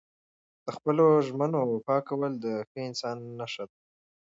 د خپلو ژمنو وفا کول د ښه انسان نښه ده.